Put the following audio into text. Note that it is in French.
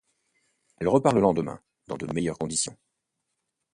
Elle repart le lendemain, dans de meilleures conditions.